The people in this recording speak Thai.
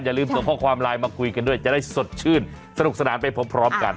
ลืมส่งข้อความไลน์มาคุยกันด้วยจะได้สดชื่นสนุกสนานไปพร้อมกัน